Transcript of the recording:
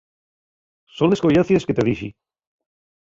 Son les collacies que te dixi.